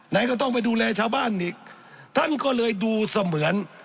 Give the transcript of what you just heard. ไหนก็ต้องไปดูแลชาวบ้านอีกท่านก็เลยดูเสมือน